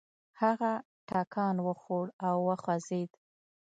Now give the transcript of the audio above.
هغه ټکان وخوړ او وخوځېد.